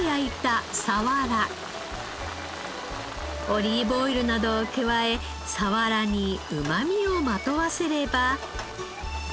オリーブオイルなどを加えサワラにうまみをまとわせれば。